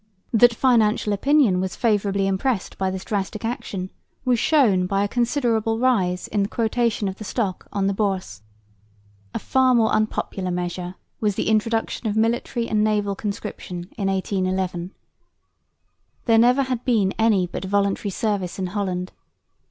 That financial opinion was favourably impressed by this drastic action was shown by a considerable rise in the quotation of the Stock on the Bourse. A far more unpopular measure was the introduction of military and naval conscription in 1811. There never had been any but voluntary service in Holland.